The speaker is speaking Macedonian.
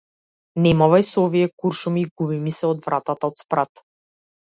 Не мавај со овие куршуми и губи ми се од вратата од спрат!